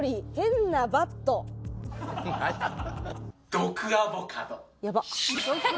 毒アボカド。